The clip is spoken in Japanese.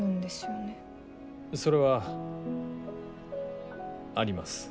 それはあります。